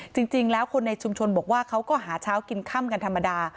จริงแล้วคนในชุมชนบอกว่าเขาก็หาเช้ากินค่ำกันธรรมดา